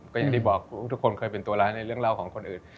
ก็อย่างที่บอกทุกคนเคยเป็นตัวร้ายในเรื่องเล่าของคนอื่น